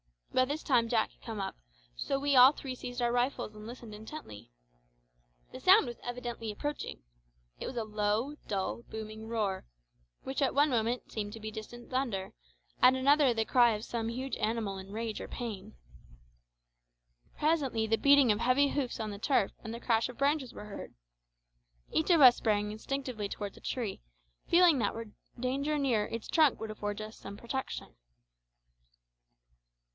By this time Jack had come up, so we all three seized our rifles and listened intently. The sound was evidently approaching. It was a low, dull, booming roar, which at one moment seemed to be distant thunder, at another the cry of some huge animal in rage or pain. Presently the beating of heavy hoofs on the turf and the crash of branches were heard. Each of us sprang instinctively towards a tree, feeling that if danger were near its trunk would afford us some protection.